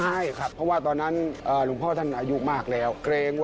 ใช่ครับเพราะว่าตอนนั้นหลวงพ่อท่านอายุมากแล้วเกรงว่า